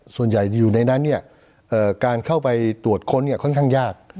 ส่วนใหญ่อยู่ในนั้นเนี่ยเอ่อการเข้าไปตรวจค้นเนี่ยค่อนข้างยาก